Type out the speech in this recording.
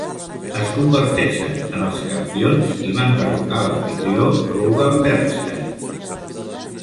Es converteixen en els campions i van derrocar l'amfitrió Rugal Bernstein.